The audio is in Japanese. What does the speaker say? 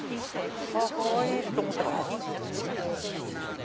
かわいいと思ったら。